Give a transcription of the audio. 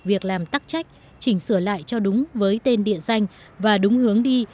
việc làm tắc trách chỉnh sửa lại cho đúng với tên địa danh và đúng hướng đi